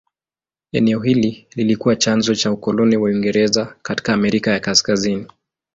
Eneo hili lilikuwa chanzo cha ukoloni wa Uingereza katika Amerika ya Kaskazini.